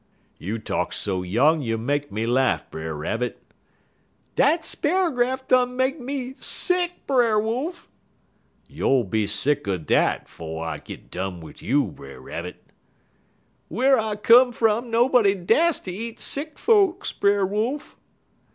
"'You talk so young you make me laff, Brer Rabbit.' "'Dat sparrer grass done make me sick, Brer Wolf.' "'You'll be sicker'n dat 'fo' I git done wid you, Brer Rabbit.' "'Whar I come fum nobody dast ter eat sick folks, Brer Wolf.'